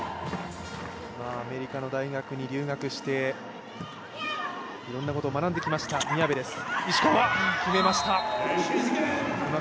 アメリカの大学に留学していろんなことを学んできました宮部です。